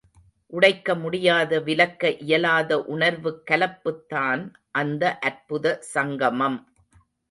உடைக்க முடியாத, விலக்க இயலாத உணர்வுக் கலப்புத் தான் அந்த அற்புத சங்கமம்.